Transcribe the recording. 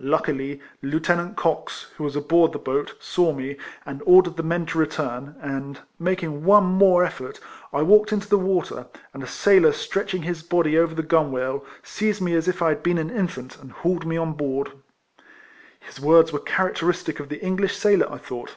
Luckily, Lieu tenant Cox, who was aboard tlie boat, saw me, and ordered tlie men to return, and, making one more elfort, I walked into the water, and a sailor stretching his body over the gunwale, seized me as if I had been an infant, and hauled me on board. His words were characteristic of the English sailor, I thought.